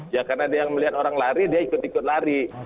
ya karena dia yang melihat orang lari dia ikut ikut lari